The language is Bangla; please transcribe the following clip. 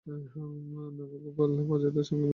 নবগোপাল প্রজাদের সঙ্গে মিলে উঠে-পড়ে লাগল।